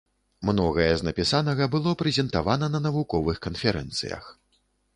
Многае з напісанага было прэзентавана на навуковых канферэнцыях.